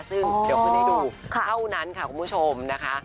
ซึ่งเดี๋ยวคืนให้ดูเท่านั้นค่ะคุณผู้ชมนะคะ